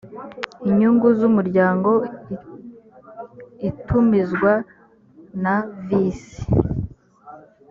inyungu z umuryango itumizwa na visi